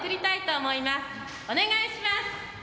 お願いします！